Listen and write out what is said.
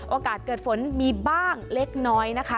โอกาสเกิดฝนมีบ้างเล็กน้อยนะคะ